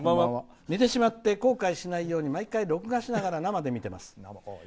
寝てしまって後悔しないように毎回、録画しながら生で見ています。